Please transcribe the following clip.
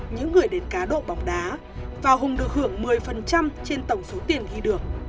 những người đến cá độ bóng đá và hùng được hưởng một mươi trên tổng số tiền ghi được